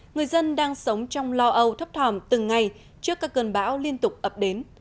người dân đang sống trong lo âu thấp thòm từng ngày trước các cơn bão liên tục ập đến